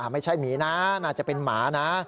ไม่ใช่หมีนะน่าจะเป็นหมานะ